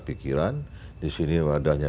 pikiran di sini wadahnya